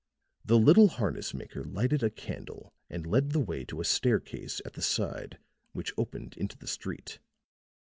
The little harness maker lighted a candle and led the way to a staircase at the side which opened into the street.